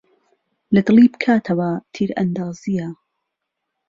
له دڵی پکاتهوه تيرئەندازييه